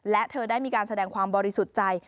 และเธอได้มีการแสดงความบริสุทธิ์ใจ